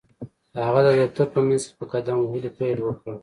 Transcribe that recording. هغه د دفتر په منځ کې په قدم وهلو پيل وکړ.